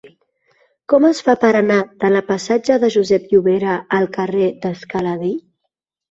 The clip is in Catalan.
Com es fa per anar de la passatge de Josep Llovera al carrer de Scala Dei?